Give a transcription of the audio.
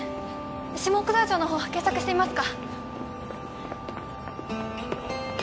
下奥沢町の方検索してみますか